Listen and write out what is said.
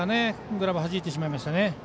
グラブ、はじいてしまいましたね。